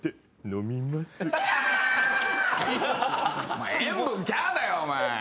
お前塩分キャーだよお前。